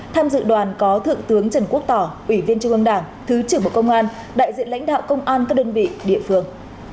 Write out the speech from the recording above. tham dự đoàn có thượng tướng trần quốc tỏ ủy viên trung ương đảng thứ trưởng bộ công an đại diện lãnh đạo công an các đơn vị địa phương